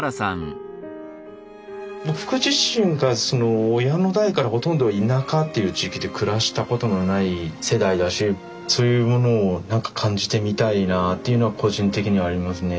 僕自身が親の代からほとんど田舎という地域で暮らしたことのない世代だしそういうものをなんか感じてみたいなというのは個人的にはありますね。